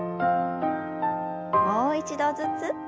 もう一度ずつ。